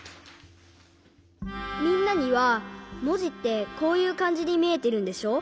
みんなにはもじってこういうかんじでみえてるんでしょ？